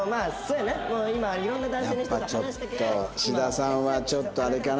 やっぱちょっと志田さんはちょっとあれかな？